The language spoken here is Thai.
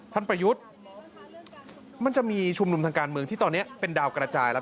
ประยุทธ์มันจะมีชุมนุมทางการเมืองที่ตอนนี้เป็นดาวกระจายแล้ว